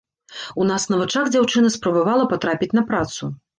У нас на вачах дзяўчына спрабавала патрапіць на працу.